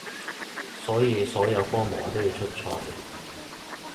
所以所有科目我都要出賽